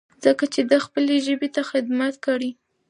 ځکه چې ده خپلې ژبې ته خدمت کړی.